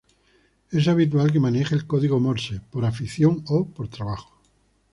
Es habitual que maneje el código Morse, por afición o por trabajo.